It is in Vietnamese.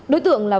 đối tượng là